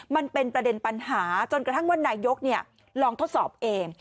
มันเป็นประเด็นปัญหาจนกระทั่งว่านายกลองทดสอบเอง